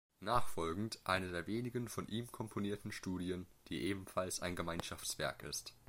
Nachfolgend eine der wenigen von ihm komponierten Studien, die ebenfalls ein Gemeinschaftswerk ist.